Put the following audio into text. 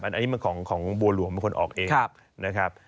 อันนี้มันของบัวหลวงเป็นคนออกเองนะครับ